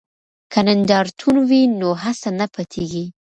که نندارتون وي نو هڅه نه پټیږي.